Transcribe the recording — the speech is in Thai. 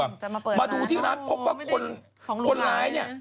มาดูที่นั้นพบว่าคนหลายเนี่ย